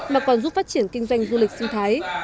mà còn giúp phát triển kinh doanh du lịch sinh thái